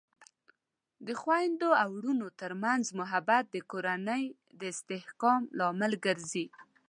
د خویندو او ورونو ترمنځ محبت د کورنۍ د استحکام لامل ګرځي.